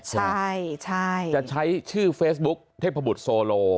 ใช่จะใช้ชื่อเฟซบุ๊กเทพบุตรโซโล